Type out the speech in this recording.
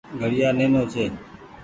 گهڙيآ نينو ڇي۔